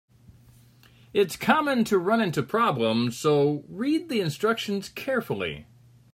It's common to run into problems, so read the instructions carefully.